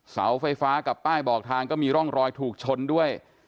เสาไฟฟ้ากับป้ายบอกทางก็มีร่องรอยถูกชนด้วย